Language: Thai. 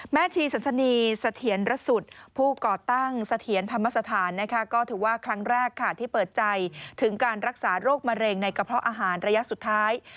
ชีสันสนีเสถียรสุทธิ์ผู้ก่อตั้งเสถียรธรรมสถานนะคะก็ถือว่าครั้งแรกค่ะที่เปิดใจถึงการรักษาโรคมะเร็งในกระเพาะอาหารระยะสุดท้าย